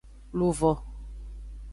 Luvo.